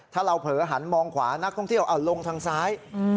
ถ้าเราเผลอหันมองขวานักท่องเที่ยวเอาลงทางซ้าย